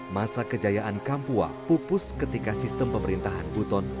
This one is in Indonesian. masa kejayaan kampua pupus ketika sistem pemerintahan buton